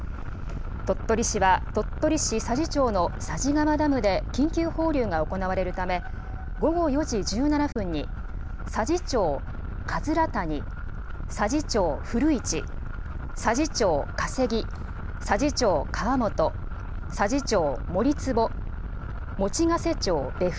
鳥取市佐治町の佐治川ダムで、緊急放流が行われるため、午後４時１７分に佐治町かづらたに、佐治町ふるいち、佐治町かせぎ、佐治町かわもと、佐治町もりつぼ、もちがせ町えふ、